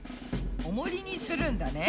おもりにするんだね。